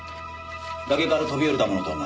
崖から飛び降りたものと思われます。